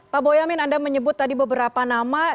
pak boyamin anda menyebut tadi beberapa nama